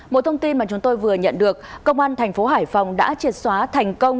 một thông tin mà chúng tôi vừa nhận được công an thành phố hải phòng đã triệt xóa thành công